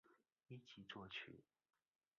一级作曲。